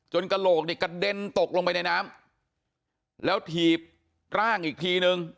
กระโหลกเนี่ยกระเด็นตกลงไปในน้ำแล้วถีบร่างอีกทีนึง